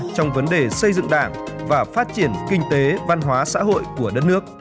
trong vấn đề xây dựng đảng và phát triển kinh tế văn hóa xã hội của đất nước